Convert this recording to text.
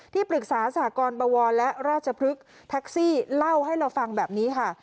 ปรึกษาสหกรณ์บวรและราชพฤกษ์แท็กซี่เล่าให้เราฟังแบบนี้ค่ะ